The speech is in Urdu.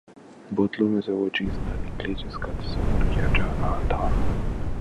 بوتلوں میں سے وہ چیز نہ نکلی جس کا تصور کیا جا رہا تھا۔